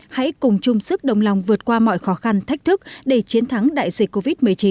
hãy cùng chung sức đồng lòng vượt qua mọi khó khăn thách thức để chiến thắng đại dịch covid một mươi chín